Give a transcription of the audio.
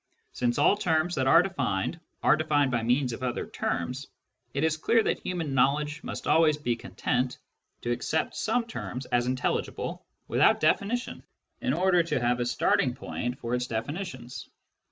Since all terms that are defined are defined by means of other terms, it is clear that human knowledge must always be content to accept some terms as intelligible without definition, in order 4 Introduction to Mathematical Philosophy to have a starting point for its definitions.